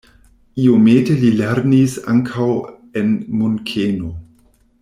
Iomete li lernis ankaŭ en Munkeno.